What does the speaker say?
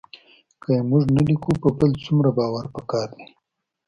که یې موږ نه لیکو په بل څومره باور پکار دی